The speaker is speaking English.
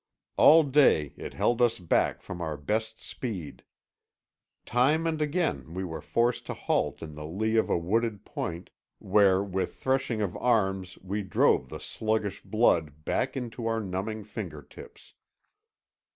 All day it held us back from our best speed. Time and again we were forced to halt in the lee of a wooded point, where with threshing of arms we drove the sluggish blood back into our numbing finger tips.